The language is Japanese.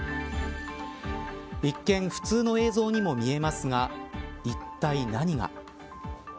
一見、普通の映像にも見えますがいったい何が。